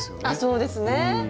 あっそうですね。